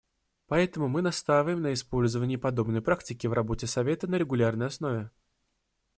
Поэтому мы настаиваем на использовании подобной практики в работе Совета на регулярной основе.